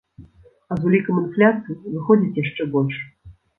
А з улікам інфляцыі, выходзіць, яшчэ больш.